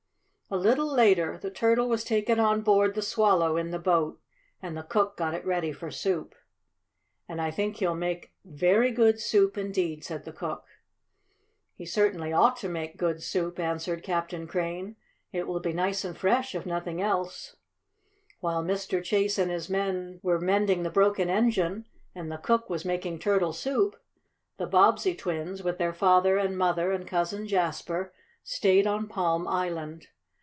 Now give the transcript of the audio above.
A little later the turtle was taken on board the Swallow in the boat, and the cook got it ready for soup. "And I think he'll make very good soup, indeed," said the cook. "He certainly ought to make good soup," answered Captain Crane. "It will be nice and fresh, if nothing else." While Mr. Chase and his men were mending the broken engine, and the cook was making turtle soup, the Bobbsey twins, with their father and mother and Cousin Jasper, stayed on Palm Island.